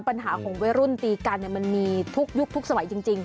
ปัญหาของวัยรุ่นตีกันมันมีทุกยุคทุกสมัยจริง